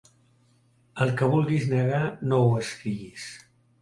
El que vulguis negar, no ho escriguis.